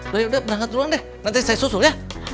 udah berangkat duluan deh nanti saya susul ya